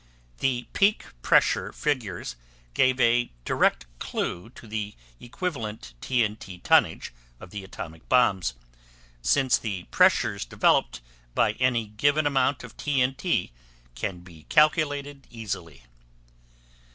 The peak pressure figures gave a direct clue to the equivalent T.N.T. tonnage of the atomic bombs, since the pressures developed by any given amount of T.N.T. can be calculated easily.